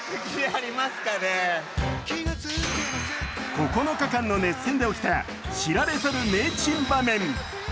９日間の熱戦で起きた知られざる名珍場面。